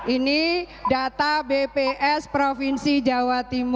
ini data bps provinsi jawa timur